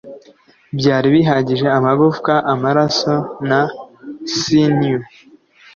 byari bihagije, amagufwa, amaraso, na sinew,